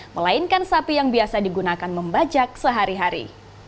melainkan sapi yang biasa digunakan membajak sehari hari